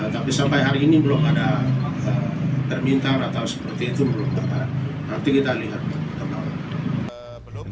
tapi sampai hari ini belum ada permintaan atau seperti itu belum nanti kita lihat belum